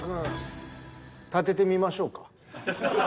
「立ててみましょうか」？